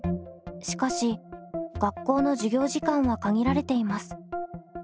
しかし学校の授業時間は限られています。